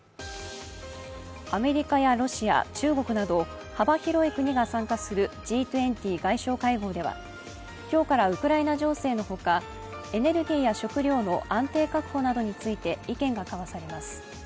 アメリカやロシア、中国など幅広い国が参加するＧ２０外相会合では今日からウクライナ情勢のほかエネルギーや食糧の安定確保などについて意見が交わされます。